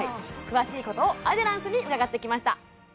詳しいことをアデランスに伺ってきました